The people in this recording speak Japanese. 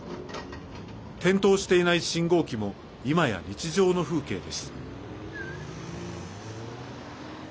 点灯していない信号機もいまや日常の風景です。